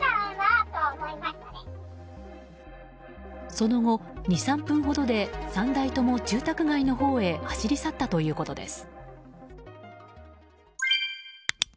その後、２３分ほどで３台とも住宅街のほうへ走り去ったということです。